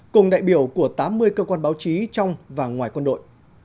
cùng đại biểu của tám mươi cơ quan báo chí trong và ngoài quân đội